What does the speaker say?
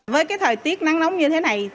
với thời tiết nắng nóng như thế này